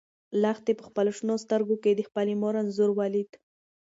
لښتې په خپلو شنه سترګو کې د خپلې مور انځور ولید.